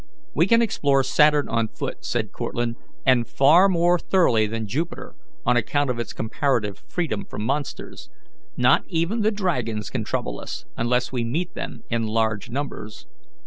"We can explore Saturn on foot," said Cortlandt, "and far more thoroughly than Jupiter, on account of its comparative freedom from monsters. Not even the dragons can trouble us, unless we meet them in large numbers."